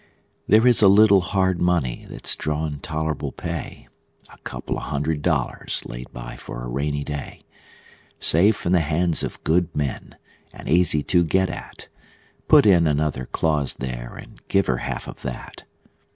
There is a little hard money that's drawin' tol'rable pay: A couple of hundred dollars laid by for a rainy day; Safe in the hands of good men, and easy to get at; Put in another clause there, and give her half of that.